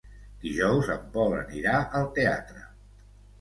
Dijous en Pol anirà al teatre.